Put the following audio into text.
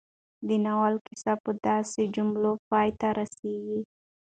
د ناول کيسه په داسې جملو پای ته رسېږي